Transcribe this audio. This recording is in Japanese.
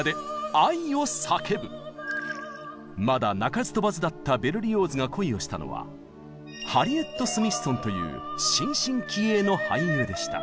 まだ鳴かず飛ばずだったベルリオーズが恋をしたのはハリエット・スミッソンという新進気鋭の俳優でした。